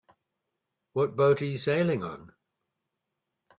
What boat you sailing on?